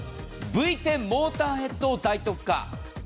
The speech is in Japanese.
モーターヘッドを大特価。